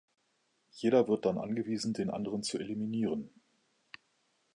Jeder wird dann angewiesen, den anderen zu eliminieren.